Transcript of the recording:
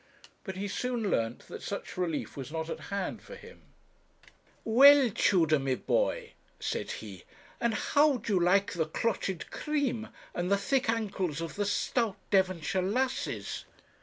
But he soon learnt that such relief was not at hand for him. 'Well, Tudor, my boy,' said he, 'and how do you like the clotted cream and the thick ankles of the stout Devonshire lasses?'